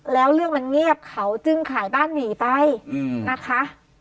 แล้วเรื่องมันเงียบเขาจึงขายบ้านหนีไปนะคะ